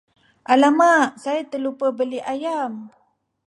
Alamak, saya terlupa beli ayam!